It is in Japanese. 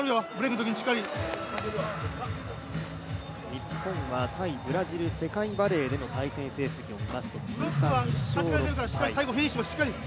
日本は対ブラジル、世界バレーでの対戦成績を見ますと通算１勝６敗。